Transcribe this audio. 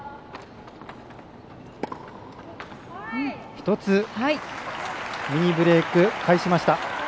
１つ、ミニブレーク返しました。